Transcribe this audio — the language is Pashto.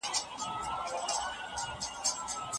که فرصت له لاسه ووځي نو پښیماني راځي.